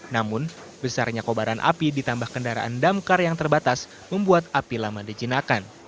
namun besarnya kobaran api ditambah kendaraan damkar yang terbatas membuat api lama dijinakan